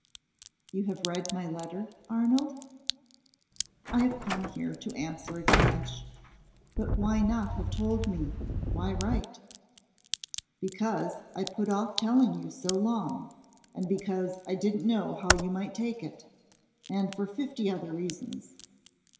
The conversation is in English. "You have read my letter, Arnold?" "I have come here to answer it, Blanche. But why not have told me? Why write?" "Because I put off telling you so long; and because I didn't know how you might take it; and for fifty other reasons.